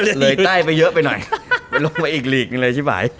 เหลยใต้เยอะไปหน่อยลงไปอีกลีกเลยชิบาย